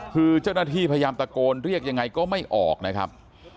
คือเจ้าหน้าที่พยายามตะโกนเรียกยังไงก็ไม่ออกนะครับ